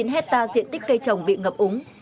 bốn mươi chín hectare diện tích cây trồng bị ngập úng